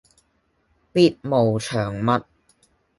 別無長物